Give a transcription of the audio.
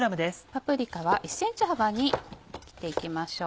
パプリカは１ｃｍ幅に切っていきましょう。